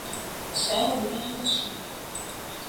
Cerro Grande do Sul